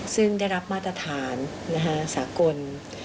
ซึ่งได้รับมาตรฐานสากล